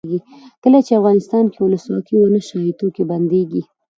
کله چې افغانستان کې ولسواکي وي نشه یي توکي بندیږي.